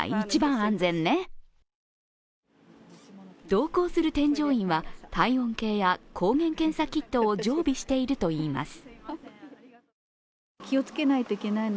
同行する添乗員は、体温計や抗原検査キットを常備しているといいます。